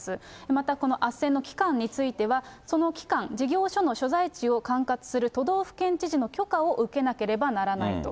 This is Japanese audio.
またこのあっせんの機関については、その期間、事業所の所在地を管轄する都道府県知事の許可を受けなければならないと。